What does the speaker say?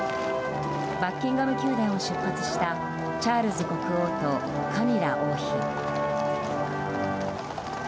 バッキンガム宮殿を出発したチャールズ国王とカミラ王妃。